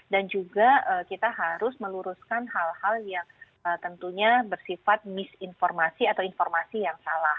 dan juga kita harus meluruskan hal hal yang tentunya bersifat misinformasi atau informasi yang salah